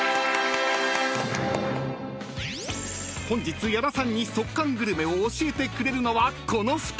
［本日矢田さんに即完グルメを教えてくれるのはこの２人］